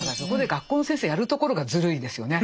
だからそこで学校の先生やるところがずるいですよね。